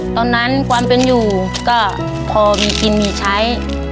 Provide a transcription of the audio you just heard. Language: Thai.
ตอนนั้นความเป็นอยู่ก็พอมีกินมีใช้